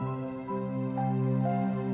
kakang mencintai dia kakang